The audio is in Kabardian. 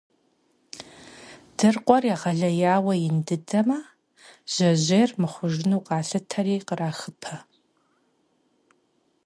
Дыркъуэр егъэлеяуэ ин дыдэмэ, жьэжьейр мыхъужыну къалъытэри, кърахыпэ.